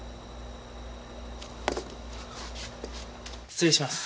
失礼します。